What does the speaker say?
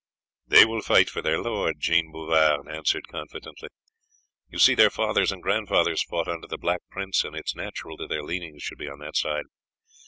"They will fight for their lord," Jean Bouvard answered confidently. "You see their fathers and grandfathers fought under the Black Prince, and it is natural that their leanings should be on that side.